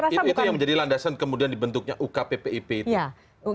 itu yang menjadi landasan kemudian dibentuknya ukppip itu